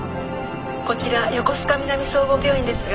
☎こちら横須賀南総合病院ですが。